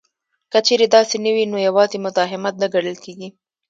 که چېرې داسې نه وي نو یوازې مزاحمت نه ګڼل کیږي